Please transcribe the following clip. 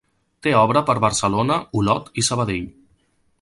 Té obra per Barcelona, Olot i Sabadell.